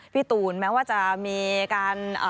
พี่ตูนแม้ว่าจะมีการ